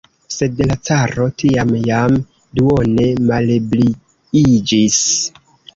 Sed la caro tiam jam duone malebriiĝis.